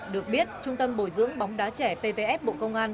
được biết trung tâm bồi dưỡng bóng đá trẻ pvf bộ công an